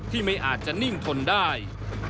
ไม่อาจจะนิ่งทนได้